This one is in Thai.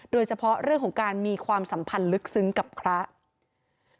โดยเฉพาะเรื่องของการมีความสัมพันธ์ลึกซึ้งกับพระ